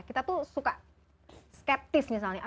kita tuh suka skeptis misalnya